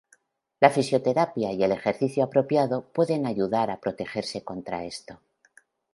La fisioterapia y el ejercicio apropiado pueden ayudar a protegerse contra esto.